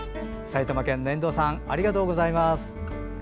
埼玉県の遠藤さんありがとうございます。